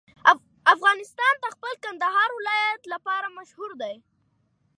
افغانستان د خپل کندهار ولایت لپاره مشهور دی.